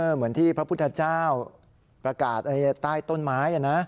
เหมือนที่พระพุทธเจ้าประกาศใต้ต้นไม้